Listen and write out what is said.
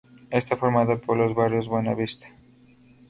Está formado por los barrios: Buena Vista.